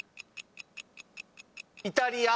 イタリア。